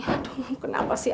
aduh kenapa sih